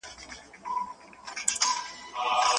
ماشوم د مور په لمنه کې خپل سر له ګرم باد څخه پټ کړ.